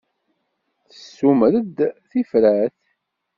Tessumer-d tifrat.